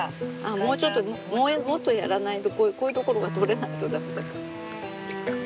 もうちょっともっとやらないとこういう所が取れないと駄目だから。